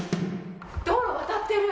道路渡ってる！